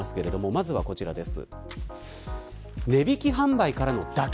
まずはこちらです。